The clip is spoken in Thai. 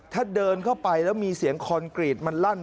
ถ้าเดินเข้าไปแล้วมีเสียงคอนกรีตมันลั่น